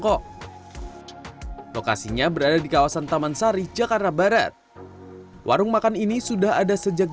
kok lokasinya berada di kawasan taman sari jakarta barat warung makan ini sudah ada sejak